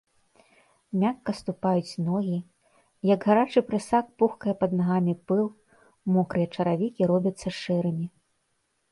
Мякка ступаюць ногі, як гарачы прысак пухкае пад нагамі пыл, мокрыя чаравікі робяцца шэрымі.